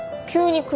急に。